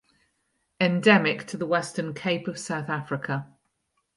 Endemic to the Western Cape of South Africa.